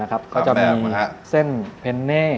ก็จะมีเส้นเพนเน่